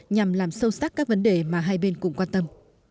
nhằm làm sâu sắc các vấn đề mà hai bên cùng quan tâm